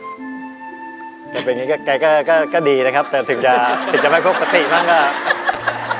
ถูกเป็นอย่างนี้ก็ดีนะครับแต่ถึงจะไม่พมติบ้างก็